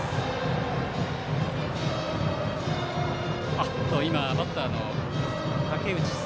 おっと今、バッターの竹内昴